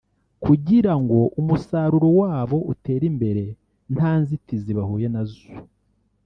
kugirango umusaruro wabo utere imbere nta nzitizi bahuye nazo